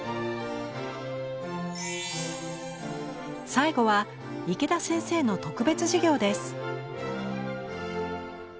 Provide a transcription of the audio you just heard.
最後は池田先生の特別授業です。